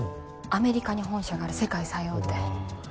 アメリカに本社がある世界最大手うわ